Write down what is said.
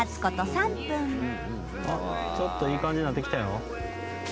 ちょっといい感じになってきたよ。